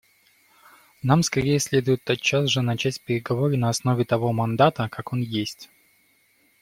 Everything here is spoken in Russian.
Нам скорее следует тотчас же начать переговоры на основе того мандата как он есть.